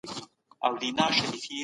کندهاري ښځې د وړیو څخه کوم توکي جوړوي؟